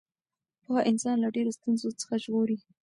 پوهه انسان له ډېرو ستونزو څخه ژغوري.